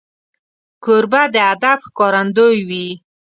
کوربه د ادب ښکارندوی وي.